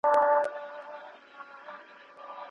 د ریا منبر ته خیژي ګناهکاره ثوابونه